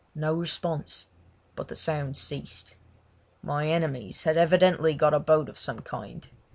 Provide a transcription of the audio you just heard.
No response; but the sound ceased. My enemies had evidently got a boat of some kind.